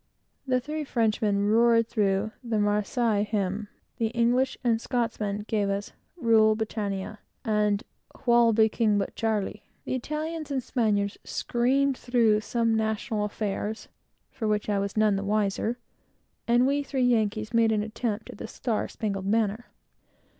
the three Frenchmen roared through the Marseilles Hymn; the English and Scotchmen gave us "Rule Britannia," and "Wha'll be King but Charlie?" the Italians and Spaniards screamed through some national affairs, for which I was none the wiser; and we three Yankees made an attempt at the "Star spangled Banner."